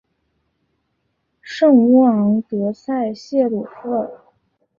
圣乌昂德塞谢鲁夫尔。